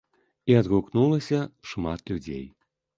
І адгукнулася шмат людзей.